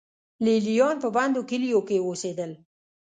لې لیان په بندو کلیو کې اوسېدل.